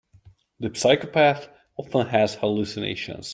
The psychopath often has hallucinations.